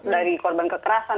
dari korban kekerasan